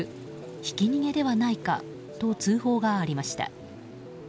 ひき逃げではないかと通報がありました。